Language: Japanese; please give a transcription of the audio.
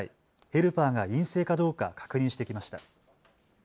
ヘルパーが陰性かどうか確認してきました。